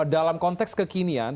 dalam konteks kekinian